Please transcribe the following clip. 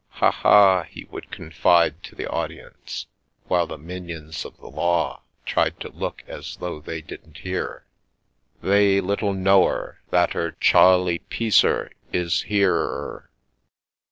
" Ha, ha !" he would confide to the audience, while the minions of the law tried to look as though they didn't hear, " they little know er that er Chawley Peace er is here er !